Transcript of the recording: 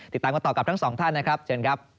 ติดตามกันต่อกับทั้งสองท่านนะครับเชิญครับ